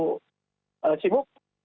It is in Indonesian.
pak serano pemirsa cnn yang sangat disamanggakan